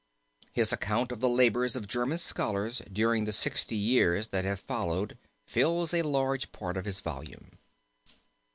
His account of the labors of German scholars during the sixty years that have followed fills a large part of his volume.